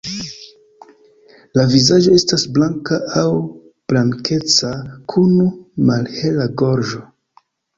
La vizaĝo estas blanka aŭ blankeca kun malhela gorĝo.